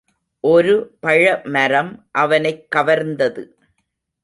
ஒரு பழமரம் அவனைக் கவர்ந்தது.